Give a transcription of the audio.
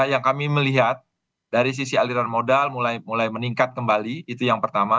yang kami melihat dari sisi aliran modal mulai meningkat kembali itu yang pertama